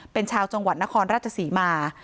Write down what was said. เป็นชาวจังหวัดนครราชศรีมา